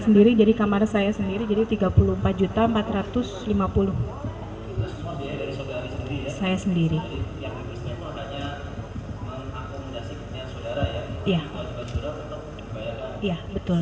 sendiri jadi kamar saya sendiri jadi tiga puluh empat juta empat ratus lima puluh saya sendiri saudara ya betul